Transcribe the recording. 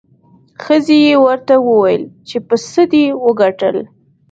ښځې یې ورته وویل چې په څه دې وګټل؟